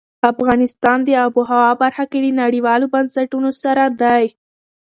افغانستان د آب وهوا برخه کې له نړیوالو بنسټونو سره دی.